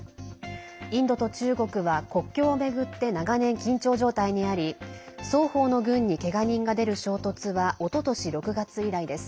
インドと中国は国境を巡って長年、緊張状態にあり双方の軍に、けが人が出る衝突はおととし６月以来です。